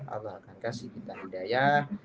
allah akan kasih kita hidayah